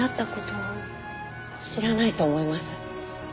知らないと思います。